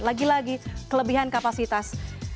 lagi lagi kelebihan kapasitas